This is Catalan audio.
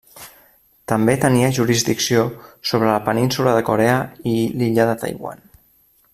També tenia jurisdicció sobre la península de Corea i l'illa de Taiwan.